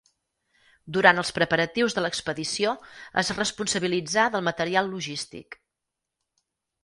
Durant els preparatius de l'expedició es responsabilitzà del material logístic.